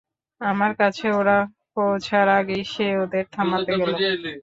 আমার কাছে ওরা পৌঁছার আগেই সে ওদের থামাতে গেল।